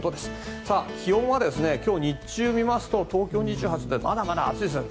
気温は今日日中を見ますと東京２８度でまだまだ暑いですね。